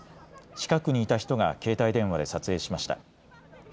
近くにいた人が携帯電話で撮影しました。